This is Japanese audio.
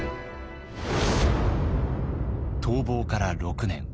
逃亡から６年。